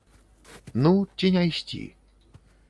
Ну, ці не ісці.